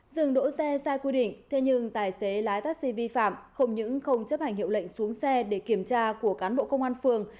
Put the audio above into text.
dừng đỗ xe sai quy định thế nhưng tài xế lái taxi vi phạm không những không chấp hành hiệu lệnh xuống xe để kiểm tra của cán bộ công an phường